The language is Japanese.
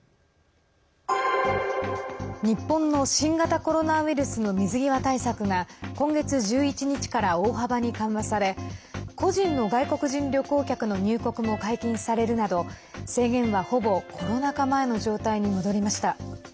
日本の新型コロナウイルスの水際対策が今月１１日から大幅に緩和され個人の外国人旅行客の入国も解禁されるなど制限は、ほぼコロナ禍前の状態に戻りました。